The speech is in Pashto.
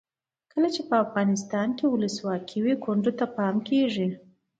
کله چې افغانستان کې ولسواکي وي کونډو ته پام کیږي.